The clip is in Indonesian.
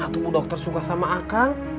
atau bu dokter suka sama akang